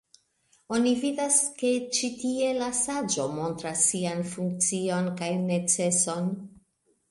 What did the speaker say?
Oni vidas ke ĉi tie la saĝo montras sian funkcion kaj neceson.